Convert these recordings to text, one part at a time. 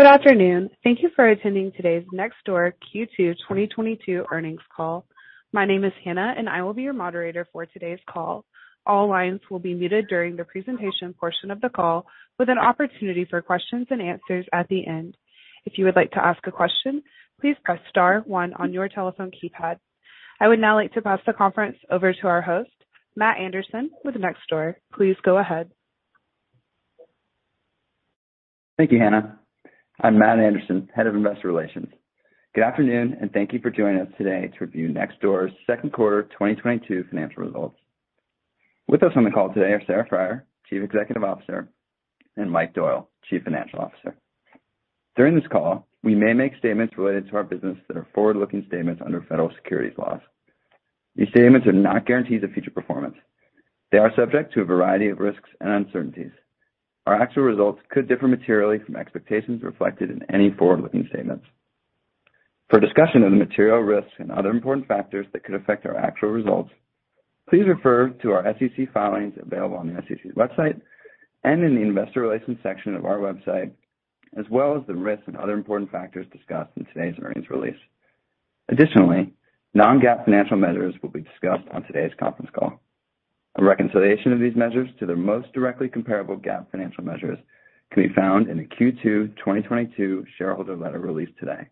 Good afternoon. Thank you for attending today's Nextdoor Q2 2022 earnings call. My name is Hannah, and I will be your moderator for today's call. All lines will be muted during the presentation portion of the call, with an opportunity for questions and answers at the end. If you would like to ask a question, please press star one on your telephone keypad. I would now like to pass the conference over to our host, Matt Anderson with Nextdoor. Please go ahead. Thank you, Hannah. I'm Matt Anderson, Head of Investor Relations. Good afternoon, and thank you for joining us today to review Nextdoor's second quarter 2022 financial results. With us on the call today are Sarah Friar, Chief Executive Officer, and Mike Doyle, Chief Financial Officer. During this call, we may make statements related to our business that are forward-looking statements under federal securities laws. These statements are not guarantees of future performance. They are subject to a variety of risks and uncertainties. Our actual results could differ materially from expectations reflected in any forward-looking statements. For a discussion of the material risks and other important factors that could affect our actual results, please refer to our SEC filings available on the SEC's website and in the investor relations section of our website, as well as the risks and other important factors discussed in today's earnings release. Additionally, non-GAAP financial measures will be discussed on today's conference call. A reconciliation of these measures to their most directly comparable GAAP financial measures can be found in the Q2 2022 shareholder letter released today.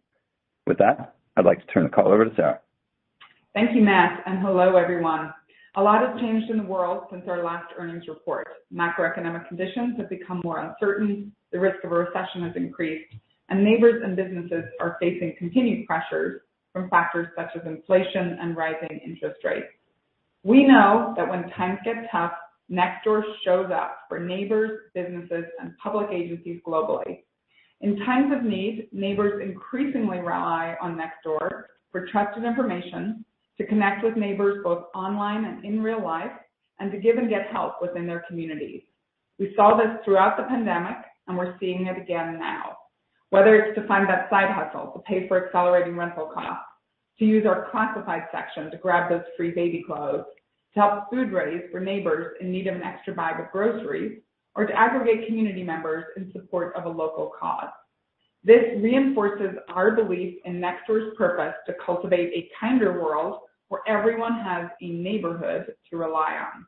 With that, I'd like to turn the call over to Sarah. Thank you, Matt, and hello, everyone. A lot has changed in the world since our last earnings report. Macroeconomic conditions have become more uncertain, the risk of a recession has increased, and neighbors and businesses are facing continued pressures from factors such as inflation and rising interest rates. We know that when times get tough, Nextdoor shows up for neighbors, businesses, and public agencies globally. In times of need, neighbors increasingly rely on Nextdoor for trusted information to connect with neighbors both online and in real life and to give and get help within their communities. We saw this throughout the pandemic, and we're seeing it again now. Whether it's to find that side hustle to pay for accelerating rental costs, to use our classified section to grab those free baby clothes, to help fundraise for neighbors in need of an extra bag of groceries, or to aggregate community members in support of a local cause. This reinforces our belief in Nextdoor's purpose to cultivate a kinder world where everyone has a neighborhood to rely on.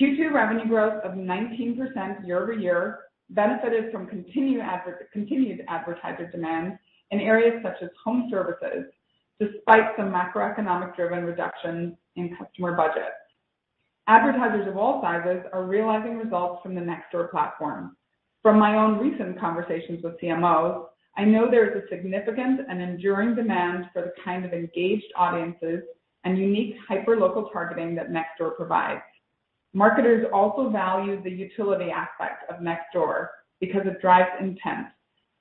Q2 revenue growth of 19% year-over-year benefited from continued advertiser demand in areas such as home services, despite some macroeconomic-driven reductions in customer budgets. Advertisers of all sizes are realizing results from the Nextdoor platform. From my own recent conversations with CMOs, I know there is a significant and enduring demand for the kind of engaged audiences and unique hyperlocal targeting that Nextdoor provides. Marketers also value the utility aspect of Nextdoor because it drives intent,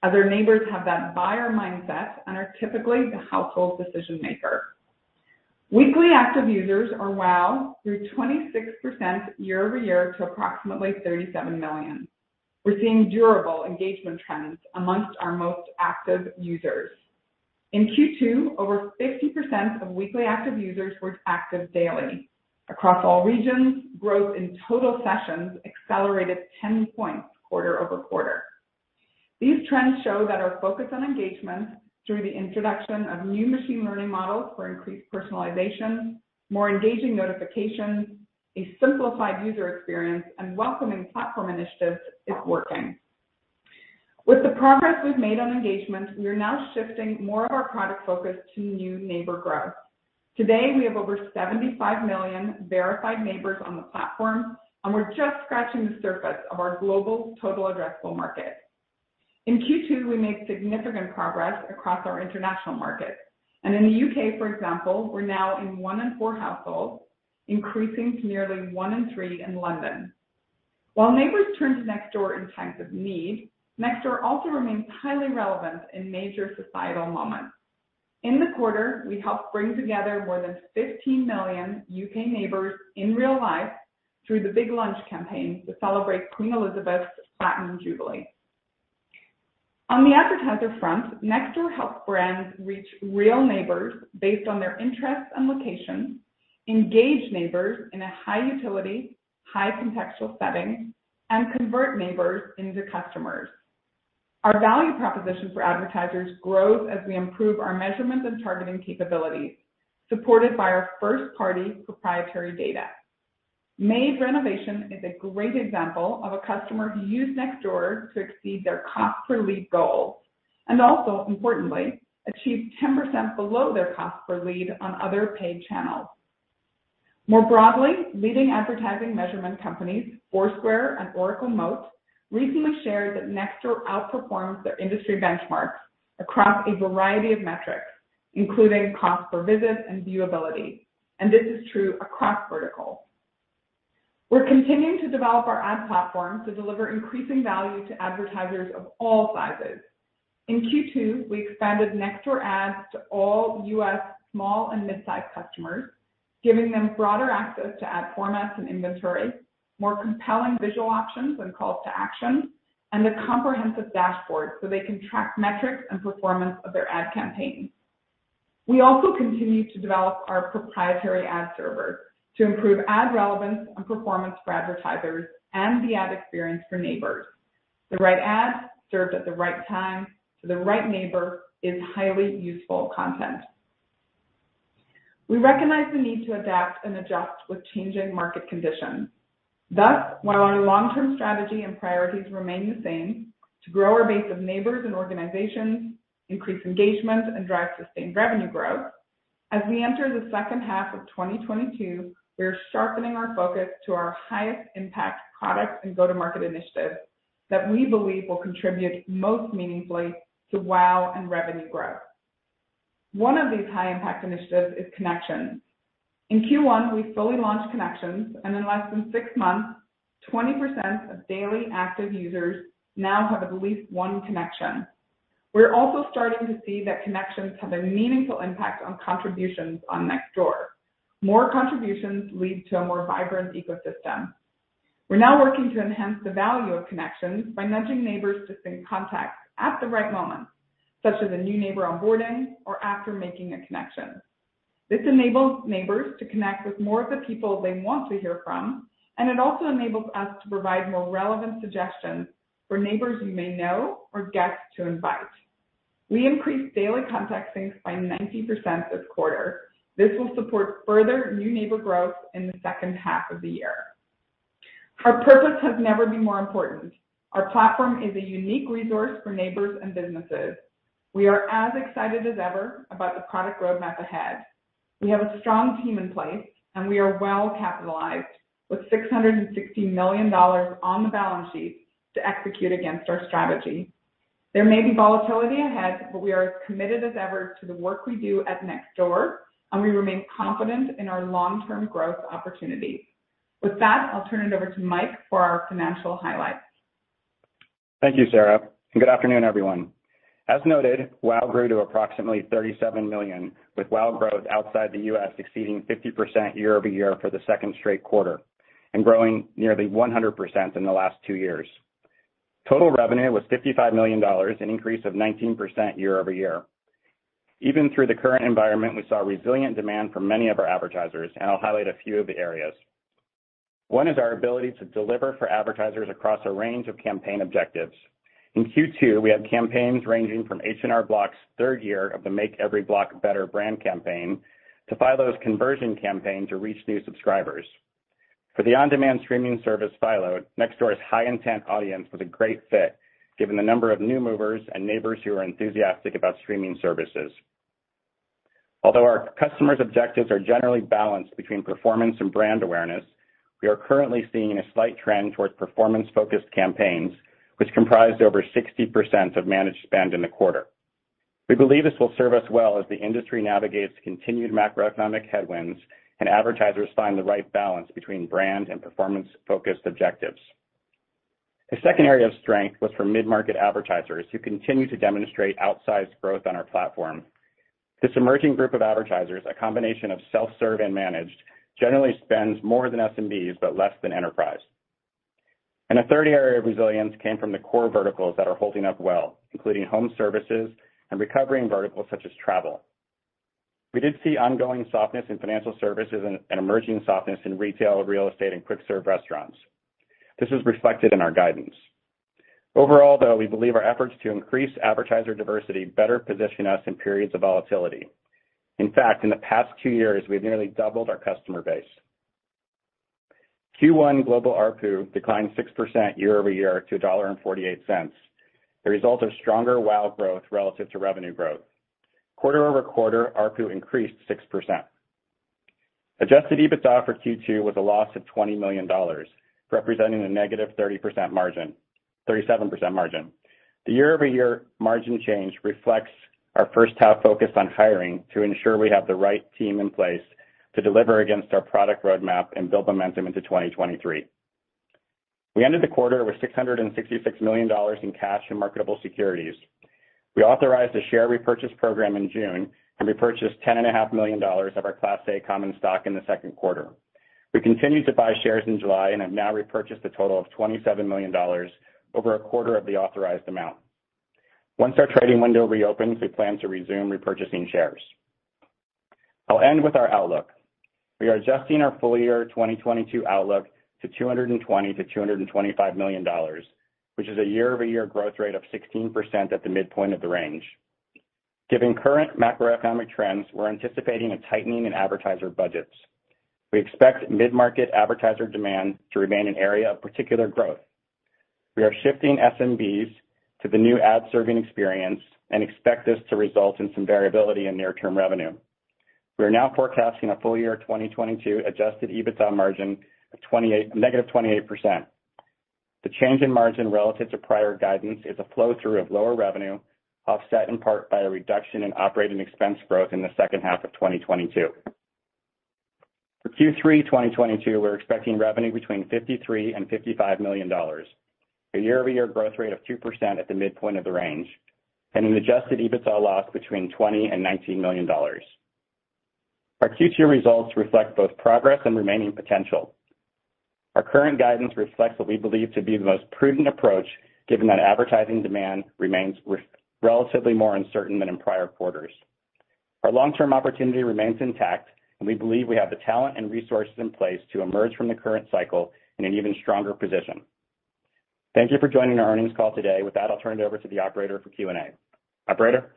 other neighbors have that buyer mindset and are typically the household decision-maker. Weekly active users or WAUs grew 26% year-over-year to approximately 37 million. We're seeing durable engagement trends among our most active users. In Q2, over 50% of weekly active users were active daily. Across all regions, growth in total sessions accelerated 10 points quarter-over-quarter. These trends show that our focus on engagement through the introduction of new machine learning models for increased personalization, more engaging notifications, a simplified user experience, and welcoming platform initiatives is working. With the progress we've made on engagement, we are now shifting more of our product focus to new neighbor growth. Today, we have over 75 million verified neighbors on the platform, and we're just scratching the surface of our global total addressable market. In Q2, we made significant progress across our international markets, and in the U.K., for example, we're now in one in four households, increasing to nearly one in three in London. While neighbors turn to Nextdoor in times of need, Nextdoor also remains highly relevant in major societal moments. In the quarter, we helped bring together more than 15 million U.K. neighbors in real life through The Big Lunch campaign to celebrate Queen Elizabeth's Platinum Jubilee. On the advertiser front, Nextdoor helps brands reach real neighbors based on their interests and locations, engage neighbors in a high-utility, high contextual setting, and convert neighbors into customers. Our value proposition for advertisers grows as we improve our measurement and targeting capabilities, supported by our first-party proprietary data. Made Renovation is a great example of a customer who used Nextdoor to exceed their cost per lead goals and also, importantly, achieved 10% below their cost per lead on other paid channels. More broadly, leading advertising measurement companies Foursquare and Oracle Moat recently shared that Nextdoor outperforms their industry benchmarks across a variety of metrics, including cost per visit and viewability. This is true across verticals. We're continuing to develop our ad platform to deliver increasing value to advertisers of all sizes. In Q2, we expanded Nextdoor Ads to all U.S. small and mid-sized customers, giving them broader access to ad formats and inventory, more compelling visual options and calls to action, and a comprehensive dashboard so they can track metrics and performance of their ad campaigns. We also continue to develop our proprietary ad server to improve ad relevance and performance for advertisers and the ad experience for neighbors. The right ad served at the right time to the right neighbor is highly useful content. We recognize the need to adapt and adjust with changing market conditions. Thus, while our long-term strategy and priorities remain the same, to grow our base of neighbors and organizations, increase engagement, and drive sustained revenue growth, as we enter the second half of 2022, we are sharpening our focus to our highest impact products and go-to-market initiatives that we believe will contribute most meaningfully to WAU and revenue growth. One of these high-impact initiatives is Connections. In Q1, we fully launched Connections, and in less than six months, 20% of daily active users now have at least one connection. We're also starting to see that connections have a meaningful impact on contributions on Nextdoor. More contributions lead to a more vibrant ecosystem. We're now working to enhance the value of connections by matching neighbors to same contacts at the right moment, such as a new neighbor onboarding or after making a connection. This enables neighbors to connect with more of the people they want to hear from, and it also enables us to provide more relevant suggestions for neighbors you may know or guests to invite. We increased daily contact syncs by 90% this quarter. This will support further new neighbor growth in the second half of the year. Our purpose has never been more important. Our platform is a unique resource for neighbors and businesses. We are as excited as ever about the product roadmap ahead. We have a strong team in place, and we are well capitalized with $660 million on the balance sheet to execute against our strategy. There may be volatility ahead, but we are as committed as ever to the work we do at Nextdoor, and we remain confident in our long-term growth opportunities. With that, I'll turn it over to Mike for our financial highlights. Thank you, Sarah, and good afternoon, everyone. As noted, WAU grew to approximately 37 million, with WAU growth outside the U.S. exceeding 50% year-over-year for the second straight quarter and growing nearly 100% in the last two years. Total revenue was $55 million, an increase of 19% year-over-year. Even through the current environment, we saw resilient demand from many of our advertisers, and I'll highlight a few of the areas. One is our ability to deliver for advertisers across a range of campaign objectives. In Q2, we had campaigns ranging from H&R Block's third year of the Make Every Block Better brand campaign to Philo's conversion campaign to reach new subscribers. For the on-demand streaming service, Philo, Nextdoor's high-intent audience was a great fit, given the number of new movers and neighbors who are enthusiastic about streaming services. Although our customers' objectives are generally balanced between performance and brand awareness, we are currently seeing a slight trend towards performance-focused campaigns, which comprised over 60% of managed spend in the quarter. We believe this will serve us well as the industry navigates continued macroeconomic headwinds and advertisers find the right balance between brand and performance-focused objectives. The second area of strength was for mid-market advertisers who continue to demonstrate outsized growth on our platform. This emerging group of advertisers, a combination of self-serve and managed, generally spends more than SMBs, but less than enterprise. A third area of resilience came from the core verticals that are holding up well, including home services and recovering verticals such as travel. We did see ongoing softness in financial services and emerging softness in retail, real estate, and quick-serve restaurants. This is reflected in our guidance. Overall, though, we believe our efforts to increase advertiser diversity better position us in periods of volatility. In fact, in the past two years, we've nearly doubled our customer base. Q2 global ARPU declined 6% year-over-year to $1.48, the result of stronger WAU growth relative to revenue growth. Quarter-over-quarter, ARPU increased 6%. Adjusted EBITDA for Q2 was a loss of $20 million, representing a negative 37% margin. The year-over-year margin change reflects our first half focus on hiring to ensure we have the right team in place to deliver against our product roadmap and build momentum into 2023. We ended the quarter with $666 million in cash and marketable securities. We authorized a share repurchase program in June and repurchased $10.5 million of our Class A common stock in the second quarter. We continued to buy shares in July and have now repurchased a total of $27 million over a quarter of the authorized amount. Once our trading window reopens, we plan to resume repurchasing shares. I'll end with our outlook. We are adjusting our full year 2022 outlook to $220 million-$225 million, which is a year-over-year growth rate of 16% at the midpoint of the range. Given current macroeconomic trends, we're anticipating a tightening in advertiser budgets. We expect mid-market advertiser demand to remain an area of particular growth. We are shifting SMBs to the new ad-serving experience and expect this to result in some variability in near-term revenue. We are now forecasting a full year 2022 Adjusted EBITDA margin of -28%. The change in margin relative to prior guidance is a flow-through of lower revenue, offset in part by a reduction in operating expense growth in the second half of 2022. For Q3 2022, we're expecting revenue between $53 million and $55 million, a year-over-year growth rate of 2% at the midpoint of the range, and an Adjusted EBITDA loss between $20 million and $19 million. Our Q2 results reflect both progress and remaining potential. Our current guidance reflects what we believe to be the most prudent approach, given that advertising demand remains relatively more uncertain than in prior quarters. Our long-term opportunity remains intact, and we believe we have the talent and resources in place to emerge from the current cycle in an even stronger position. Thank you for joining our earnings call today. With that, I'll turn it over to the operator for Q&A. Operator?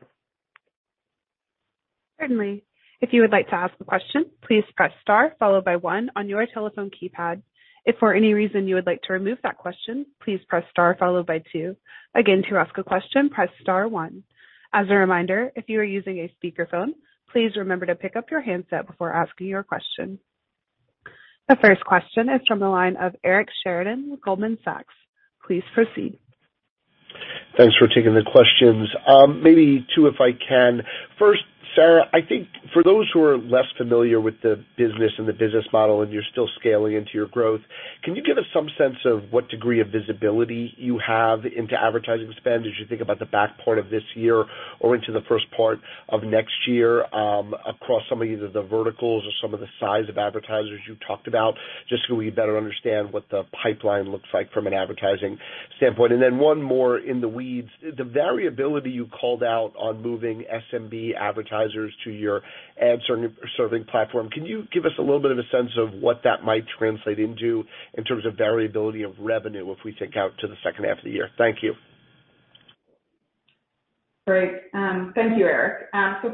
Certainly. If you would like to ask a question, please press star followed by one on your telephone keypad. If for any reason you would like to remove that question, please press star followed by two. Again, to ask a question, press star one. As a reminder, if you are using a speakerphone, please remember to pick up your handset before asking your question. The first question is from the line of Eric Sheridan, Goldman Sachs. Please proceed. Thanks for taking the questions. Maybe two, if I can. First, Sarah, I think for those who are less familiar with the business and the business model, and you're still scaling into your growth, can you give us some sense of what degree of visibility you have into advertising spend as you think about the back part of this year or into the first part of next year, across some of either the verticals or some of the size of advertisers you talked about, just so we better understand what the pipeline looks like from an advertising standpoint. One more in the weeds: the variability you called out on moving SMB advertisers to your ad serving platform, can you give us a little bit of a sense of what that might translate into in terms of variability of revenue if we take out to the second half of the year? Thank you. Great. Thank you, Eric.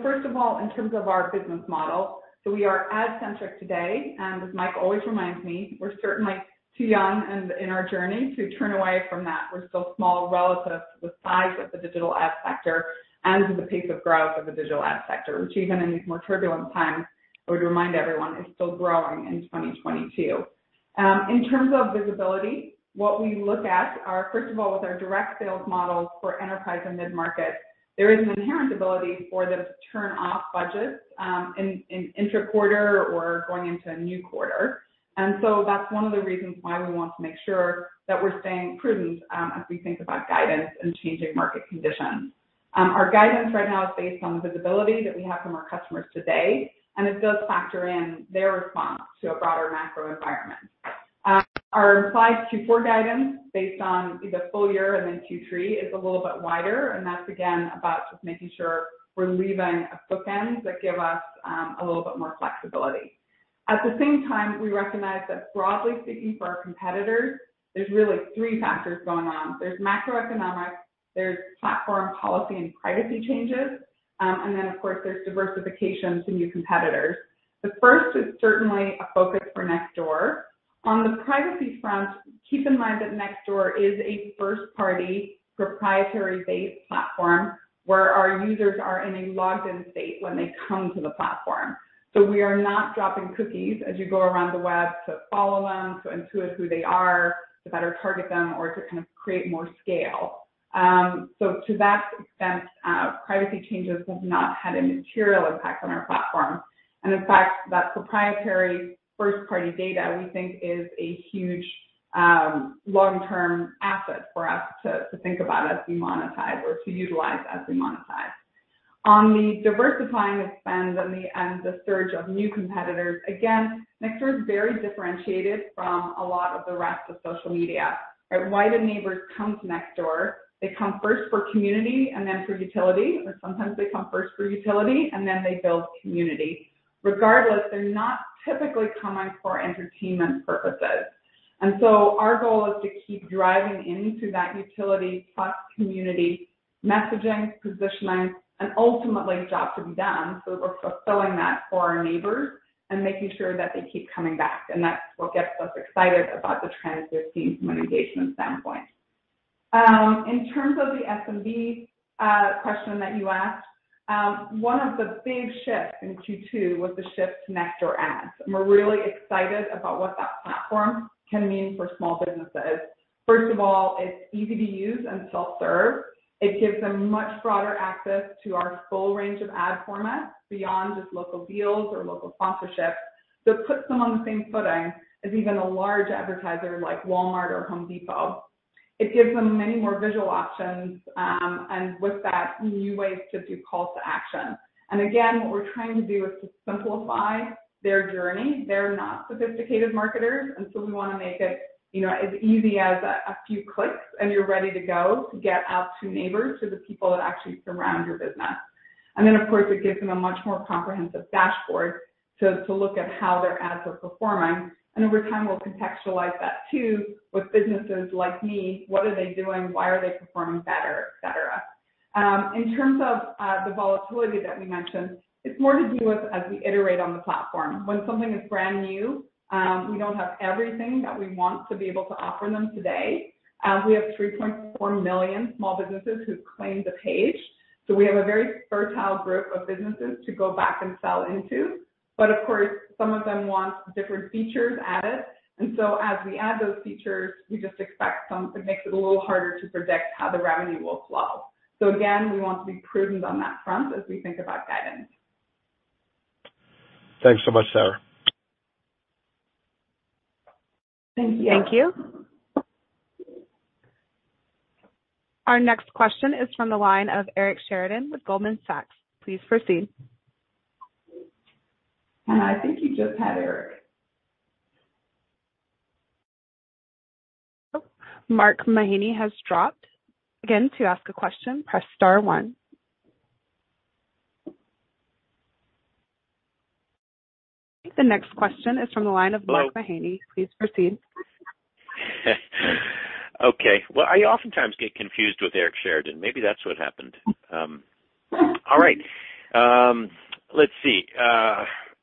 First of all, in terms of our business model, so we are ad-centric today, and as Mike always reminds me, we're certainly too young in our journey to turn away from that. We're still small relative to the size of the digital ad sector and to the pace of growth of the digital ad sector, which even in these more turbulent times, I would remind everyone, is still growing in 2022. In terms of visibility, what we look at are, first of all, with our direct sales models for enterprise and mid-market, there is an inherent ability for them to turn off budgets, in intra-quarter or going into a new quarter. That's one of the reasons why we want to make sure that we're staying prudent, as we think about guidance and changing market conditions. Our guidance right now is based on visibility that we have from our customers today, and it does factor in their response to a broader macro environment. Our implied Q4 guidance based on either full year and then Q3 is a little bit wider, and that's again about just making sure we're leaving a bookend that give us a little bit more flexibility. At the same time, we recognize that broadly speaking for our competitors, there's really three factors going on. There's macroeconomics, there's platform policy and privacy changes, and then of course, there's diversification to new competitors. The first is certainly a focus for Nextdoor. On the privacy front, keep in mind that Nextdoor is a first-party proprietary-based platform where our users are in a logged in state when they come to the platform. We are not dropping cookies as you go around the web to follow them, to intuit who they are, to better target them or to kind of create more scale. To that extent, privacy changes have not had a material impact on our platform. In fact, that proprietary first-party data we think is a huge long-term asset for us to think about as we monetize or to utilize as we monetize. On the diversifying of spend and the surge of new competitors, again, Nextdoor is very differentiated from a lot of the rest of social media, right? Why do neighbors come to Nextdoor? They come first for community and then for utility, or sometimes they come first for utility and then they build community. Regardless, they're not typically coming for entertainment purposes. Our goal is to keep driving into that utility plus community messaging, positioning, and ultimately job to be done, so that we're fulfilling that for our neighbors and making sure that they keep coming back. That's what gets us excited about the trends we're seeing from an engagement standpoint. In terms of the SMB question that you asked, one of the big shifts in Q2 was the shift to Nextdoor Ads, and we're really excited about what that platform can mean for small businesses. First of all, it's easy to use and self-serve. It gives them much broader access to our full range of ad formats beyond just local deals or local sponsorships. It puts them on the same footing as even a large advertiser like Walmart or Home Depot. It gives them many more visual options, and with that, new ways to do call to action. Again, what we're trying to do is to simplify their journey. They're not sophisticated marketers, and so we wanna make it, you know, as easy as a few clicks, and you're ready to go to get out to neighbors, so the people that actually surround your business. Of course, it gives them a much more comprehensive dashboard to look at how their ads are performing and ver time, we'll contextualize that too with businesses like me. What are they doing? Why are they performing better, et cetera. In terms of the volatility that we mentioned, it's more to do with as we iterate on the platform. When something is brand new, we don't have everything that we want to be able to offer them today. We have 3.4 million small businesses who've claimed a page, so we have a very fertile group of businesses to go back and sell into. Of course, some of them want different features added. As we add those features, we just expect it makes it a little harder to predict how the revenue will flow. Again, we want to be prudent on that front as we think about guidance. Thanks so much, Sarah. Thank you. Our next question is from the line of Eric Sheridan with Goldman Sachs. Please proceed. Hannah, I think you just had Eric. Oh, Mark Mahaney has joined. Again, to ask a question, press star one. The next question is from the line of Mark Mahaney. Hello. Please proceed. Okay. Well, I oftentimes get confused with Eric Sheridan. Maybe that's what happened. All right. Let's see.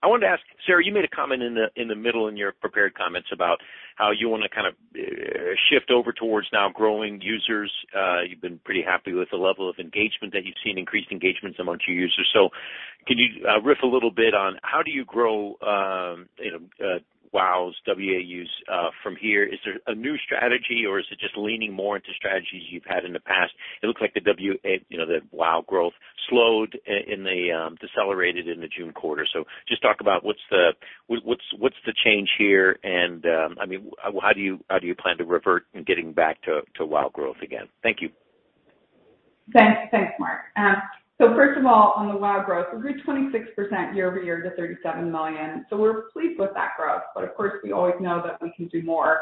I wanted to ask, Sarah, you made a comment in the middle in your prepared comments about how you wanna kind of shift over towards now growing users. You've been pretty happy with the level of engagement that you've seen, increased engagements amongst your users. So can you riff a little bit on how do you grow you know WAUs from here? Is there a new strategy, or is it just leaning more into strategies you've had in the past? It looks like you know, the WAU growth slowed and decelerated in the June quarter. Just talk about what's the change here, and I mean, how do you plan to revert in getting back to WAU growth again? Thank you. Thanks. Thanks, Mark. First of all, on the WAU growth, we grew 26% year-over-year to 37 million, so we're pleased with that growth. Of course, we always know that we can do more.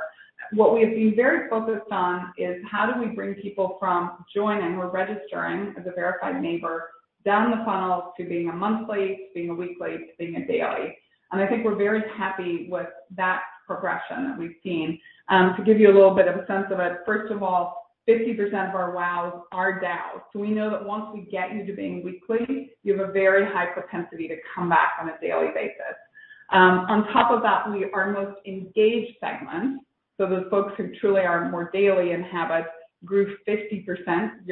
What we have been very focused on is how do we bring people from joining or registering as a verified neighbor down the funnel to being a monthly, to being a weekly, to being a daily. I think we're very happy with that progression that we've seen. To give you a little bit of a sense of it, first of all, 50% of our WAUs are DAUs. We know that once we get you to being weekly, you have a very high propensity to come back on a daily basis. On top of that, we Our most engaged segments, so those folks who truly are more daily and have a group 50%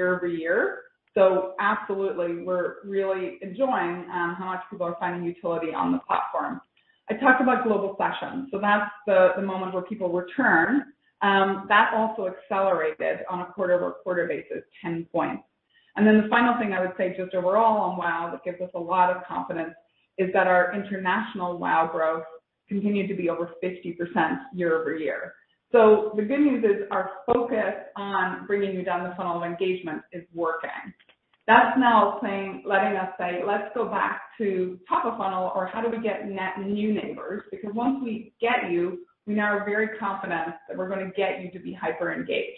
year-over-year. Absolutely, we're really enjoying how much people are finding utility on the platform. I talked about global sessions, so that's the moment where people return. That also accelerated on a quarter-over-quarter basis 10 points. Then the final thing I would say just overall on WAU that gives us a lot of confidence is that our international WAU growth continued to be over 50% year-over-year. The good news is our focus on bringing you down the funnel of engagement is working. That's now saying, letting us say, let's go back to top of funnel or how do we get net new neighbors? Because once we get you, we now are very confident that we're gonna get you to be hyper-engaged.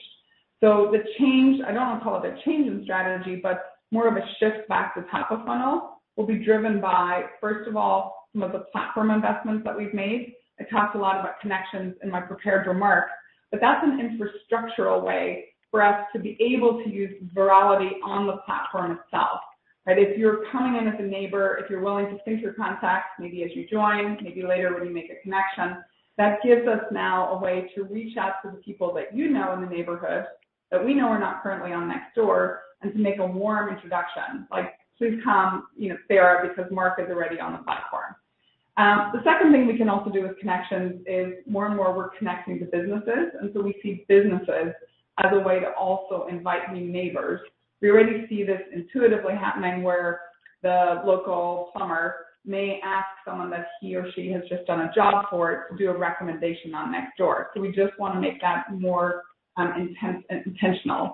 The change, I don't wanna call it a change in strategy, but more of a shift back to top of funnel, will be driven by, first of all, some of the platform investments that we've made. I talked a lot about Connections in my prepared remarks, but that's an infrastructural way for us to be able to use virality on the platform itself, right? If you're coming in as a neighbor, if you're willing to sync your contacts, maybe as you join, maybe later when you make a connection, that gives us now a way to reach out to the people that you know in the neighborhood that we know are not currently on Nextdoor and to make a warm introduction. Like, "Please come, you know, Sarah, because Mark is already on the platform." The second thing we can also do with Connections is more and more we're connecting to businesses, and so we see businesses as a way to also invite new neighbors. We already see this intuitively happening where the local plumber may ask someone that he or she has just done a job for to do a recommendation on Nextdoor. So we just wanna make that more intentional.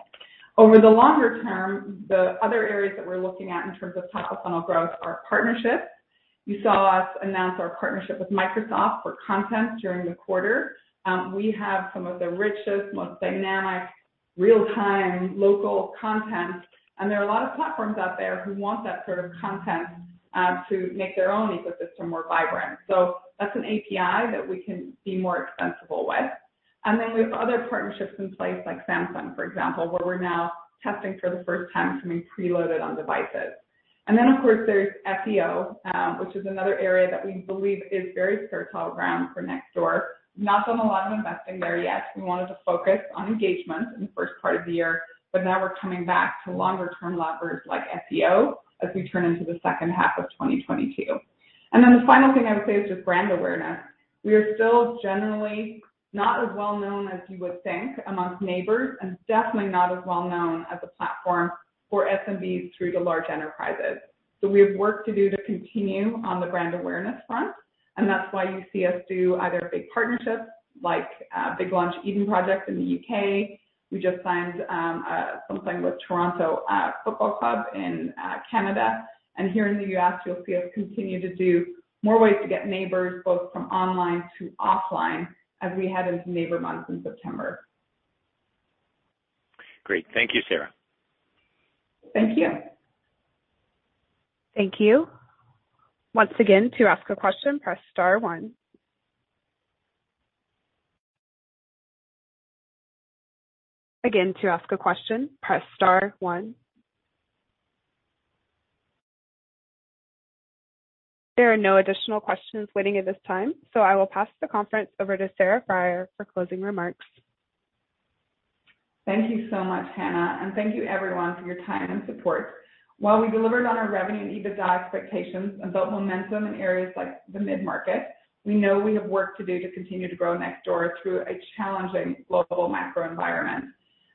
Over the longer term, the other areas that we're looking at in terms of top-of-funnel growth are partnerships. You saw us announce our partnership with Microsoft for content during the quarter. We have some of the richest, most dynamic, real-time local content, and there are a lot of platforms out there who want that sort of content to make their own ecosystem more vibrant. That's an API that we can be more extensible with. We have other partnerships in place, like Samsung, for example, where we're now testing for the first time to be preloaded on devices. Of course, there's SEO, which is another area that we believe is very fertile ground for Nextdoor. Not done a lot of investing there yet. We wanted to focus on engagement in the first part of the year, but now we're coming back to longer-term levers like SEO as we turn into the second half of 2022. The final thing I would say is just brand awareness. We are still generally not as well-known as you would think amongst neighbors, and definitely not as well-known as a platform for SMBs through to large enterprises. We have work to do to continue on the brand awareness front, and that's why you see us do either big partnerships like The Big Lunch Eden Project in the U.K. We just signed something with Toronto Football Club in Canada. Here in the U.S., you'll see us continue to do more ways to get neighbors, both from online to offline, as we head into Neighbor Month in September. Great. Thank you, Sarah. Thank you. Thank you. Once again, to ask a question, press star one. Again, to ask a question, press star one. There are no additional questions waiting at this time, so I will pass the conference over to Sarah Friar for closing remarks. Thank you so much, Hannah, and thank you everyone for your time and support. While we delivered on our revenue and EBITDA expectations and built momentum in areas like the mid-market, we know we have work to do to continue to grow Nextdoor through a challenging global macro environment.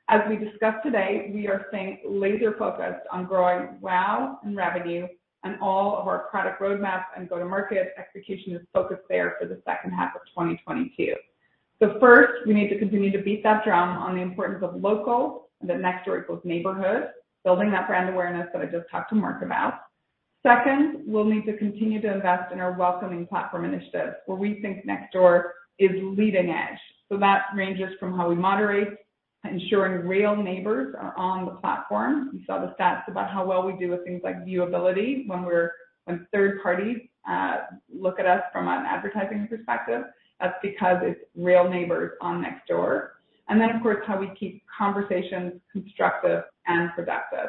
As we discussed today, we are staying laser-focused on growing WAU and revenue and all of our product roadmaps and go-to-market execution is focused there for the second half of 2022. First, we need to continue to beat that drum on the importance of local, and that Nextdoor equals neighborhoods, building that brand awareness that I just talked to Mark about. Second, we'll need to continue to invest in our welcoming platform initiatives where we think Nextdoor is leading edge. That ranges from how we moderate, ensuring real neighbors are on the platform. You saw the stats about how well we do with things like viewability when third parties look at us from an advertising perspective. That's because it's real neighbors on Nextdoor. Of course, how we keep conversations constructive and productive.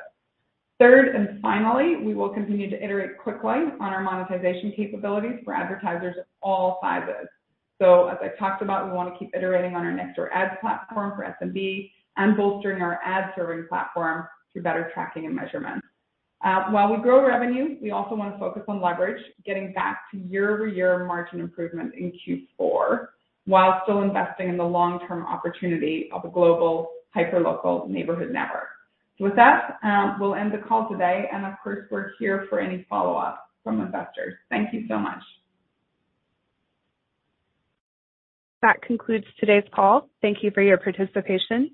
Third, and finally, we will continue to iterate quickly on our monetization capabilities for advertisers of all sizes. As I talked about, we wanna keep iterating on our Nextdoor Ads platform for SMB and bolstering our ad serving platform through better tracking and measurement. While we grow revenue, we also wanna focus on leverage, getting back to year-over-year margin improvement in Q4, while still investing in the long-term opportunity of a global, hyperlocal neighborhood network. With that, we'll end the call today. Of course, we're here for any follow-up from investors. Thank you so much. That concludes today's call. Thank you for your participation.